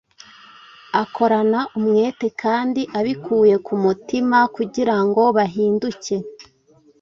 akorana umwete kandi abikuye ku mutima kugira ngo bahinduke;